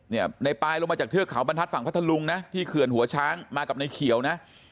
ในปายลงมาจากเทือกเขาบรรทัศน์ฝั่งพัทธลุงนะที่เขื่อนหัวช้างมากับในเขียวนะ